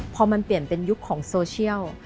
พอมันเปลี่ยนเป็นยุคของโซเชียล